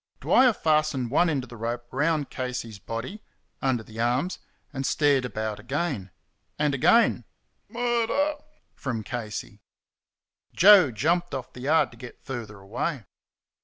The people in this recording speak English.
Dwyer fastened one end of the rope round Casey's body under the arms and stared about again. And again "Murder!" from Casey. Joe jumped off the yard to get further away.